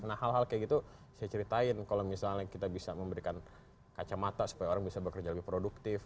nah hal hal kayak gitu saya ceritain kalau misalnya kita bisa memberikan kacamata supaya orang bisa bekerja lebih produktif